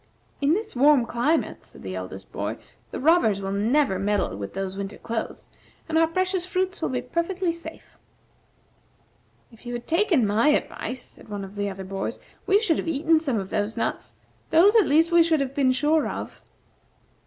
"In this warm climate," said the eldest boy, "the robbers will never meddle with those winter clothes, and our precious fruit will be perfectly safe." "If you had taken my advice," said one of the other boys, "we should have eaten some of the nuts. Those, at least, we should have been sure of."